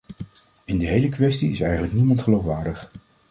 In de hele kwestie is eigenlijk niemand geloofwaardig.